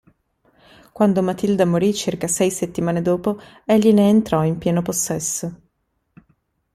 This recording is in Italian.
Quando Matilda morì circa sei settimane dopo egli ne entrò in pieno possesso.